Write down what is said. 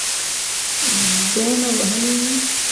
دونه وهلی وو.